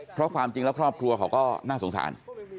เพราะความจริงแล้วครอบครัวเขาก็น่าสงสาร